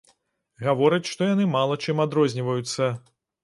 Гаворыць, што яны мала чым адрозніваюцца.